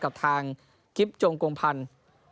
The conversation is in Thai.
กับทางกิ๊บจงกงพันธุ์